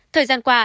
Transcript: thời gian qua